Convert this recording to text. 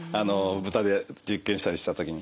豚で実験したりした時に。